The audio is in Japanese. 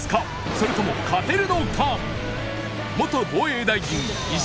それとも勝てるのか！？